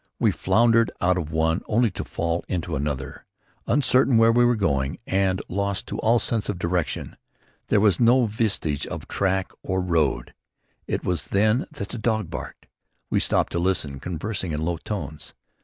We floundered out of one only to fall into another, uncertain where we were going and lost to all sense of direction. There was no vestige of track or road. It was then that the dog barked. We stopped to listen, conversing in low tones.